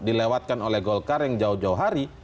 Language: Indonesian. dilewatkan oleh golkar yang jauh jauh hari